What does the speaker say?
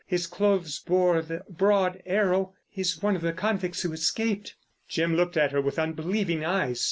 His clothes bore the broad arrow. He's one of the convicts who escaped." Jim looked at her with unbelieving eyes.